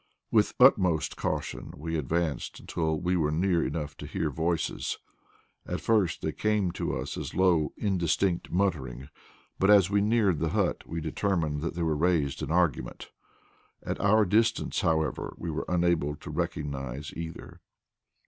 With utmost caution we advanced until we were near enough to hear voices. At first they came to us as a low, indistinct muttering, but as we neared the hut we determined that they were raised in argument. At our distance, however, we were unable to recognize either.